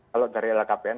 kalau dari lkpn